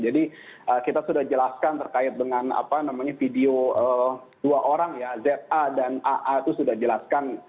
jadi kita sudah jelaskan terkait dengan apa namanya video dua orang ya za dan aa itu sudah jelaskan